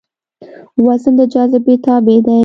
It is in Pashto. وزن د جاذبې تابع دی.